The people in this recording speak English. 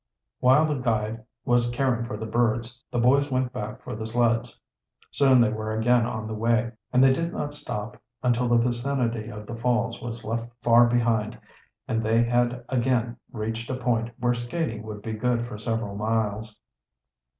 While the guide was caring for the birds the boys went back for the sleds. Soon they were again on the way, and they did not stop until the vicinity of the falls was left far behind and they had again reached a point where skating would be good for several miles.